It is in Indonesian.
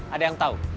ada yang tahu